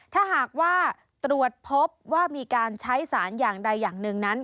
ถ้าหากว่าตรวจพบว่ามีการใช้สารอย่างใดอย่างหนึ่งนั้น